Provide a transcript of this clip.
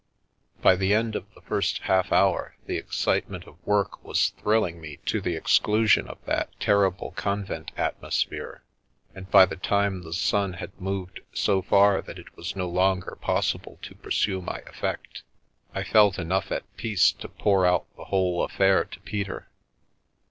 By the end of the first half hour the excitement of work was thrilling me to the exclusion of that terrible convent atmosphere, and by the time the sun had moved so far that it was no longer possible to pursue my effect, I felt enough at peace to pour out the whole affair to Peter.